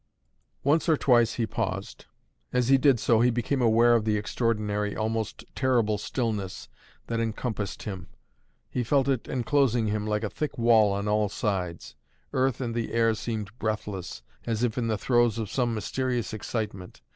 Once or twice he paused. As he did so, he became aware of the extraordinary, almost terrible stillness, that encompassed him. He felt it enclosing him like a thick wall on all sides. Earth and the air seemed breathless, as if in the throes of some mysterious excitement.